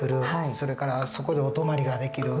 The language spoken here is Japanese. それからそこでお泊まりができる。